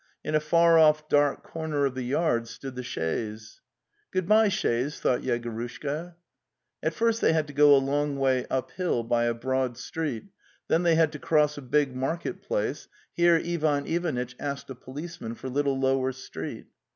In a far off dark corner of the yard stood the chaise. '" Good bye, chaise! '' thought Yegorushka. At first they had to go a long way uphill by a broad street, then they had to cross a big market place; here Ivan Ivanitch asked a policeman for Little Lower Street.